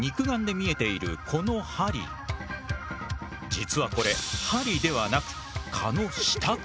実はこれ針ではなく蚊の下唇。